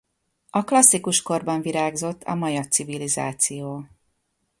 A klasszikus korban virágzott a maja civilizáció.